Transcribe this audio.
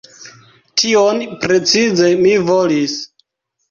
tion precize mi volis.